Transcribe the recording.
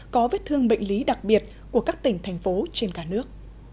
có vết thương bệnh lý đặc biệt của các tỉnh thành phố trên cả nước